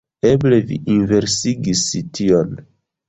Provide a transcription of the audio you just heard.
Eble vi inversigis tion.